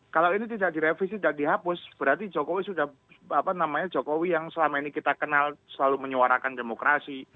kalau ini tidak direvisi tidak dihapus berarti jokowi sudah jokowi yang selama ini kita kenal selalu menyuarakan demokrasi